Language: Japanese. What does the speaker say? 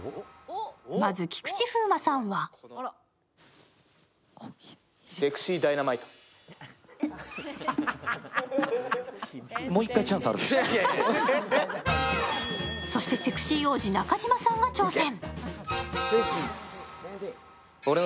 まず、菊池風磨さんはそしてセクシー王子、中島さんが挑戦。